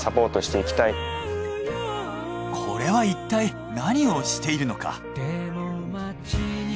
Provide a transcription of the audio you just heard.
これはいったい何をしているのか？